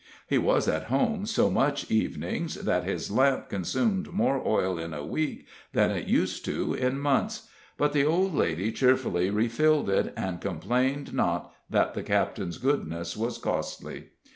He was at home so much evenings, that his lamp consumed more oil in a week than it used to in months; but the old lady cheerfully refilled it, and complained not that the captain's goodness was costly.